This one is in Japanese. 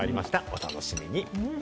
お楽しみに！